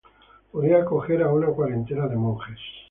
Podía acoger a una cuarentena de monjes.